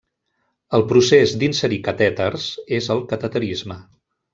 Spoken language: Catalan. El procés d'inserir catèters és el cateterisme.